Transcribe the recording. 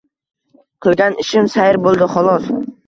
Qilgan ishim sayr bo`ldi, xolos